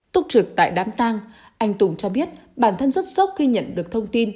túc trực tại đám tang anh tùng cho biết bản thân rất sốc khi nhận được thông tin